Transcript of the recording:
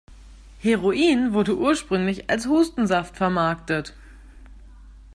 Heroin wurde ursprünglich als Hustensaft vermarktet.